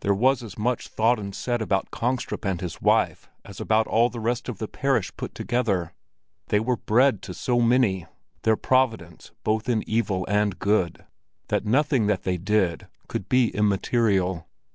There was as much thought and said about Kongstrup and his wife as about all the rest of the parish put together; they were bread to so many, their Providence both in evil and good, that nothing that they did could be immaterial.